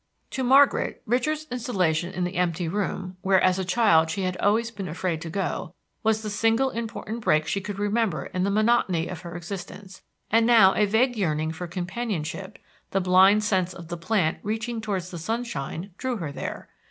To Margaret Richard's installation in the empty room, where as a child she had always been afraid to go, was the single important break she could remember in the monotony of her existence; and now a vague yearning for companionship, the blind sense of the plant reaching towards the sunshine, drew her there.